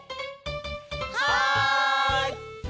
はい！